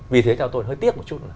vì thế cho tôi hơi tiếc một chút